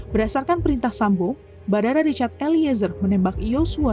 berdasarkan perintah sambong barada richard eliezer menangkap brigadir yosua